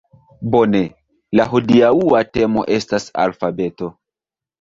Bone. La hodiaŭa temo estas alfabeto